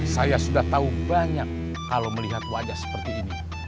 saya sudah tahu banyak kalau melihat wajah seperti ini